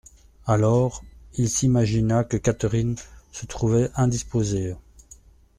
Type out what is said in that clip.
Alors, il s'imagina que Catherine se trouvait indisposée.